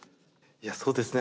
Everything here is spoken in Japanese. いやそうですね